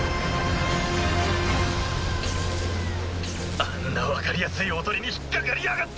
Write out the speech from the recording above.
あんな分かりやすい囮に引っ掛かりやがって！